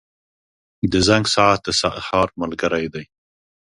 • د زنګ ساعت د سهار ملګری دی.